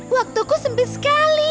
waktuku sempit sekali